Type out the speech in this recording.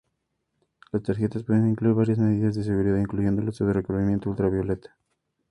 Las tarjetas pueden incluir varias medidas de seguridad, incluyendo el uso de recubrimiento ultravioleta.